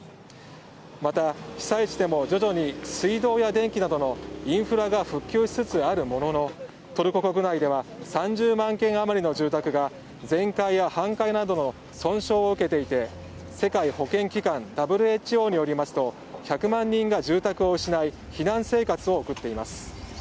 また、被災地でも徐々に水道や電気などインフラが復旧しつつあるもののトルコ国内では３０万軒余りの住宅が全壊や半壊などの損傷を受けていて世界保健機関・ＷＨＯによりますと１００万人が住宅を失い避難生活を送っています。